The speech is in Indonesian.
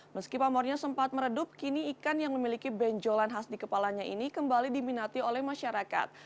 meski pamornya sempat meredup kini ikan yang memiliki benjolan khas di kepalanya ini kembali diminati oleh masyarakat